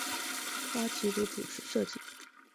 花琦如主持设计。